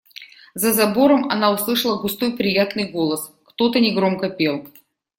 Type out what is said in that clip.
За забором она услышала густой приятный голос: кто-то негромко пел.